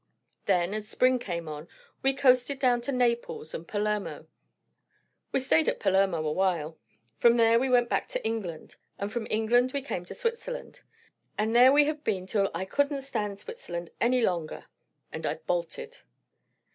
Then, as spring came on, we coasted down to Naples and Palermo. We staid at Palermo a while. From there we went back to England; and from England we came to Switzerland. And there we have been till I couldn't stand Switzerland any longer; and I bolted."